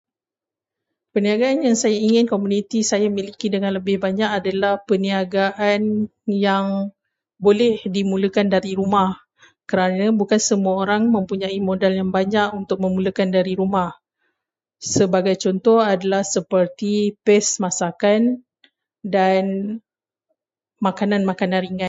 Perniagaan yang saya ingin komuniti saya miliki dengan lebih banyak adalah perniagaan yang boleh dimulakan dari rumah kerana bukan semua orang mempunyai modal yang banyak untuk memulakan dari rumah. Sebagai contoh adalah seperti, pes masakan dan makanan-makanan ringan.